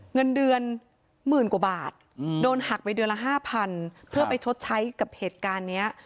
เงินเดือนหมื่นกว่าบาทโดนหักไปเดือนละ๕๐๐เพื่อไปชดใช้กับเหตุการณ์นี้